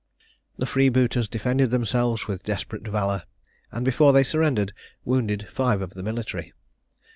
The freebooters defended themselves with desperate valour, and before they surrendered, wounded five of the military.